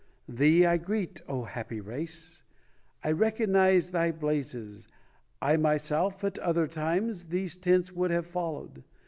Thee I greet, O happy race! I recognize thy blazes, I myself at other times These tents would have followed.